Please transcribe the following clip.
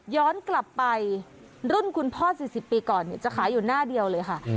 ย้อนกลับไปรุ่นคุณพ่อ๔๐ปีก่อนจะขายอยู่หน้าเดียวเลยค่ะ